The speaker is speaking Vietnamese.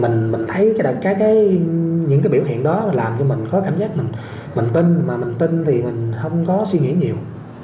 những biểu hiện đó làm cho mình có cảm giác mình tin mà mình tin thì mình không có suy nghĩ nhiều